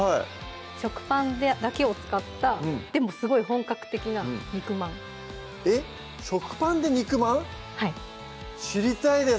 食パンだけを使ったでもすごい本格的な肉まんえっ食パンで肉まん⁉はい知りたいです！